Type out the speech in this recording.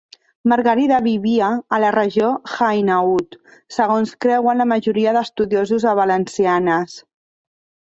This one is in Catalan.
Margarida vivia a la regió d'Hainaut, segons creuen la majoria d'estudiosos a Valenciennes.